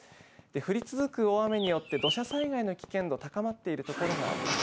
降り続く大雨によって土砂災害の危険度高まっているところがあります。